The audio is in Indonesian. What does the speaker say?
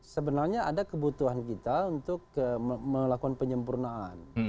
sebenarnya ada kebutuhan kita untuk melakukan penyempurnaan